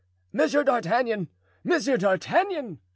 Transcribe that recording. "Monsieur d'Artagnan! Monsieur d'Artagnan!"